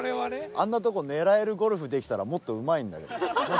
あんなとこ狙えるゴルフできたらもっとうまいんだけど。